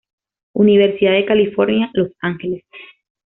Universidad de California, Los Ángeles.